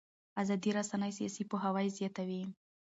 ازادې رسنۍ سیاسي پوهاوی زیاتوي